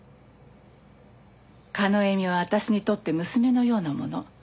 叶笑は私にとって娘のようなもの。